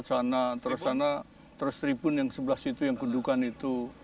satu dua tiga empat sana terus sana terus tribun yang sebelah situ yang gundukan itu